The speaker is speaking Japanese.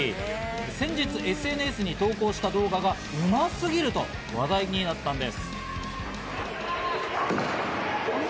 先日、ＳＮＳに投稿した動画がうますぎると話題になったんです。